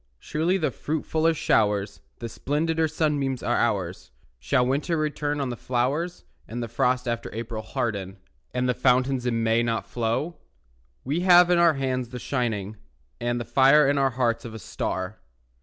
Surely the fruitfuller showers, The splendider sunbeams are ours; Shall winter return on the flowers, And the frost after April harden, And the fountains in May not flow? We have in our hands the shining And the fire in our hearts of a star.